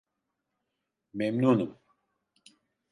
Memnunum!